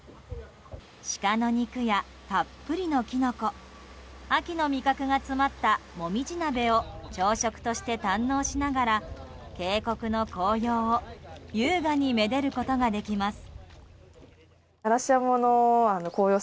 シカの肉やたっぷりのキノコ秋の味覚が詰まったもみじ鍋を朝食として堪能しながら渓谷の紅葉を優雅に愛でることができます。